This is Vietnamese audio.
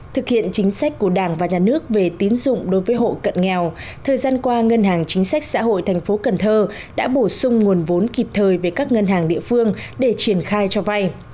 thực hiện chính sách của đảng và nhà nước về tín dụng đối với hộ cận nghèo thời gian qua ngân hàng chính sách xã hội thành phố cần thơ đã bổ sung nguồn vốn kịp thời về các ngân hàng địa phương để triển khai cho vay